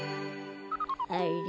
あれ？